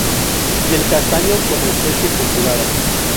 Y el castaño, como especie cultivada.